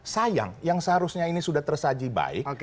sayang yang seharusnya ini sudah tersaji baik